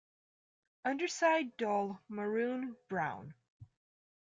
Underside dull maroon brown.